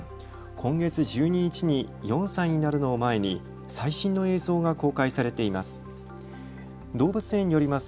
今月１２日に４歳になるのを前に最新の映像が公開されています。